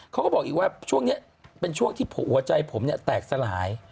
เขาก็บอกอีกว่าช่วงนี้เป็นช่วงที่หัวใจผมเนี่ยแตกสลาย